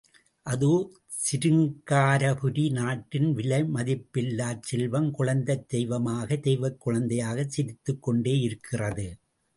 அதோ, சிருங்காரபுரி நாட்டின் விலைமதிப்பில்லாச் செல்வம், குழந்தைத் தெய்வமாக – தெய்வக் குழந்தையாகச் சிரித்துக் கொண்டே இருக்கிறது!